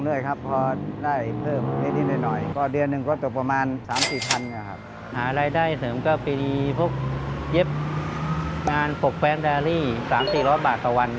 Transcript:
ได้เสริมก็ปรีดีพวกเย็บงานปกแฟนดาวน์รี่๓๔๐๐บาทต่อวัน